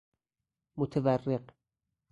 متورق